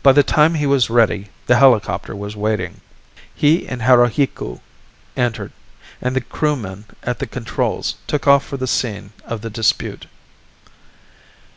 By the time he was ready, the helicopter was waiting. He and Haruhiku entered, and the crewman at the controls took off for the scene of the dispute.